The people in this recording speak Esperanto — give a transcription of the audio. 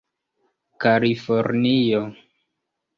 kalifornio